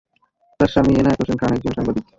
তার স্বামী এনায়েত হোসেন খান একজন সাংবাদিক।